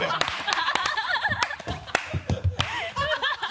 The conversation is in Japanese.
ハハハ